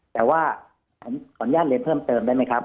แต่ว่าผมขออนุญาตเรียนเพิ่มเติมได้ไหมครับ